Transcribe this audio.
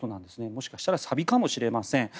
もしかしたらさびかもしれません。